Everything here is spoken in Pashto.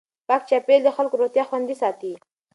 پاک چاپېریال د خلکو روغتیا خوندي ساتي.